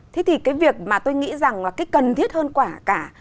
thế thì cái việc mà tôi nghĩ rằng là cái cần thiết hơn quả cả